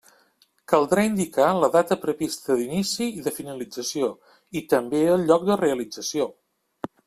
Caldrà indicar la data prevista d'inici i de finalització, i també el lloc de realització.